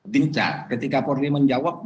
dikincar ketika polri menjawab